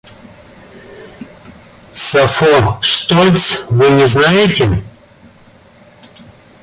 Сафо Штольц вы не знаете?